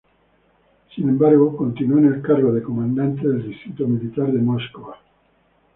Sin embargo, continuó en el cargo de Comandante del distrito militar de Moscú.